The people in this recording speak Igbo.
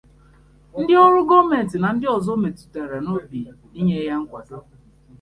ndị ọrụ gọọmenti na ndị ọzọ o metụrụ n'obi inye ya nkwàdo